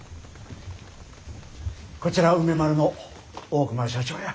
こちら梅丸の大熊社長や。